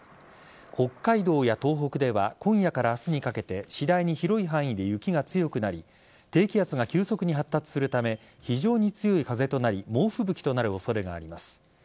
北海道や東北では今夜から明日にかけて次第に広い範囲で雪が強くなり低気圧が急速に発達するため非常に強い風となり猛吹雪となる恐れがあります。